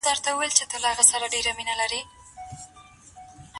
ملا هر ماښام په همدې کټ باندې ارام کوي.